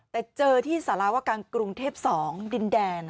แต่เจอที่สารวการกรุงเทพ๒ดินแดน